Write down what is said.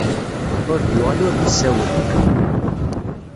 Ur d-yuɣal ur d-isawel.